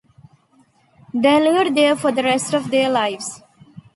They lived there for the rest of their lives.